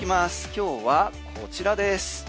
今日はこちらです。